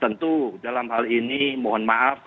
tentu dalam hal ini mohon maaf